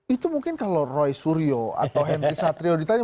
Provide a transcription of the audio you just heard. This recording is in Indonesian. itu mungkin kalau roy suryo atau henry satrio ditanya